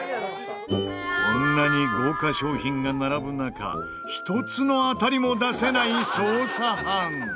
こんなに豪華商品が並ぶ中１つの当たりも出せない捜査班。